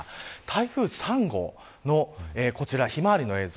台風３号のこちら、ひまわりの映像